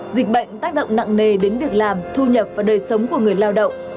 dịch bệnh tác động nặng nề đến việc làm thu nhập và đời sống của người lao động